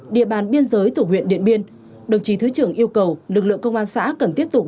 địa bàn biên giới thủ huyện điện biên đồng chí thứ trưởng yêu cầu lực lượng công an xã cần tiếp tục